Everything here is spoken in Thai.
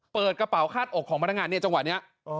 เปิดกระเป๋าคาดอกของพนักงานเนี่ยจังหวะนี้